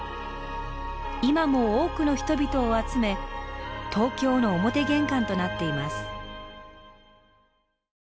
今も多くの人々を集め東京の表玄関となっています。